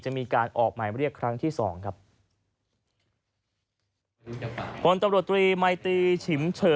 จะมีการออกหมายเรียกครั้งที่สองครับ